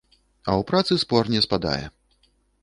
А ў працы спор не спадае.